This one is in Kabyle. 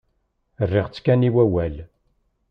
Rriɣ-tt kan i wawal.